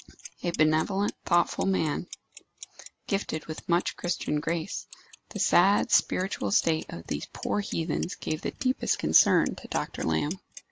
A benevolent, thoughtful man, gifted with much Christian grace, the sad spiritual state of these poor heathens gave the deepest concern to Dr. Lamb.